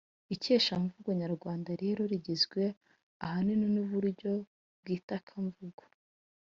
Ikeshamvugo Nyarwanda rero rigizwe ahanini n’uburyo bw’itakamvugo